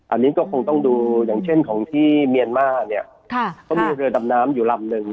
อันนี้ก็คงต้องดูอย่างเช่นของที่เมียนมาร์เนี่ยเขามีเรือดำน้ำอยู่ลำนึง